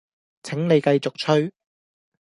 請你繼續吹